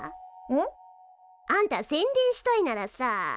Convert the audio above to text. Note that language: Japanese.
ん？あんた宣伝したいならさあ